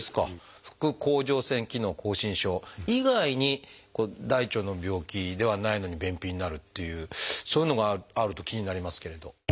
副甲状腺機能亢進症以外に大腸の病気ではないのに便秘になるっていうそういうのがあると気になりますけれど。